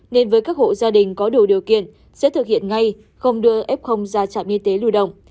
nên với các hộ gia đình có đủ điều kiện sẽ thực hiện ngay không đưa f ra trạm y tế lưu động